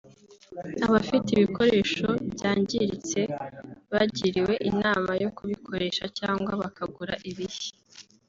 Abafite ibikoresho byangiritse bagiriwe inama yo kubikoresha cyangwa bakagura ibishya